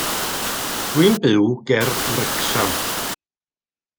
Dwi'n byw ger Wrecsam.